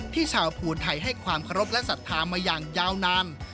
ชาวภูไทยให้ความเคารพและศรัทธามาอย่างยาวนาน